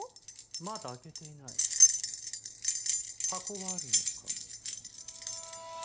まだ開けていない箱があるのかも。